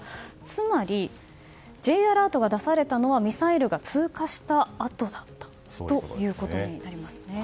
つまりＪアラートが出されたのはミサイルが通過したあとだったということになります。